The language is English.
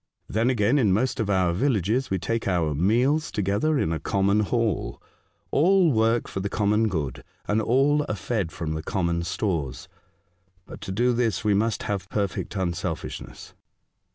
Then again, in most of our villages we take our meals to gether in a common hall. All work for the common good, and all are fed from the common stores. But to do this we must have perfect unselfishness."